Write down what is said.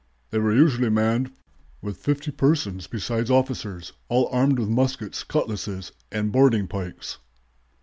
They were usually manned with fifty persons besides officers, all armed with muskets, cutlasses, and boarding pikes."